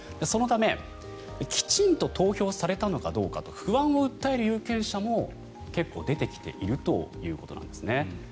そのためきちんと投票されたのかどうかと不安を訴える有権者も結構、出てきているということですね。